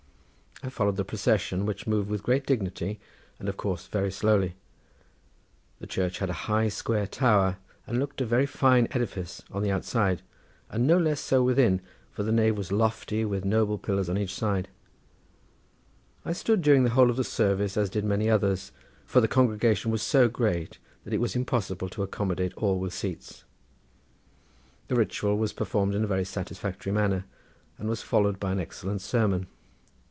I followed the procession, which moved with great dignity and of course very slowly. The church had a high square tower and looked a very fine edifice on the outside and no less so within, for the nave was lofty with noble pillars on each side. I stood during the whole of the service as did many others, for the congregation was so great that it was impossible to accommodate all with seats. The ritual was performed in a very satisfactory manner and was followed by an excellent sermon.